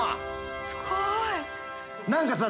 すごい！何かさ